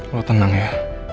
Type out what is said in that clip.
lo tenang ya